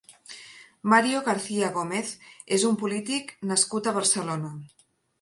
Mario García Gómez és un polític nascut a Barcelona.